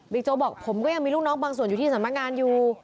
โจ๊กบอกผมก็ยังมีลูกน้องบางส่วนอยู่ที่สำนักงานอยู่